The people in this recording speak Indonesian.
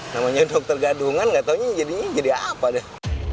namanya dokter gadungan nggak tahunya ini jadi apa deh